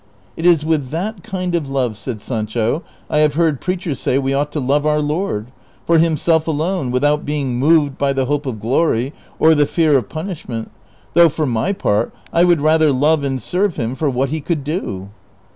"It is with that kind of love," said Sancho, "I have heard preachers say we ought to love our Lord, for himself alone, without being moved by the hope of glory or the fear of punish ment ; though for my part, I would rather love and serve him for what he could do."